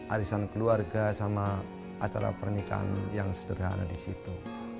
arisan keluarga sama acara pernikahan yang sederhana di situ